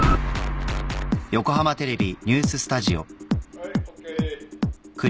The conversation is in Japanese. はいＯＫ。